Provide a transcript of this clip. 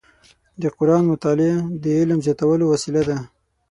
د قرآن مطالع د علم زیاتولو وسیله ده.